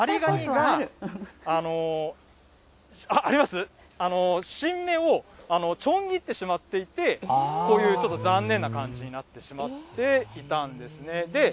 ザリガニが、新芽をちょん切ってしまっていて、こういうちょっと残念な感じになってしまっていたんですね。